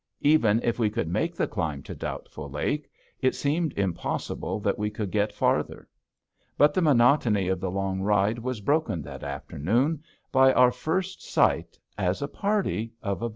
Even if we could make the climb to Doubtful Lake, it seemed impossible that we could get farther. But the monotony of the long ride was broken that afternoon by our first sight, as a party, of a bear.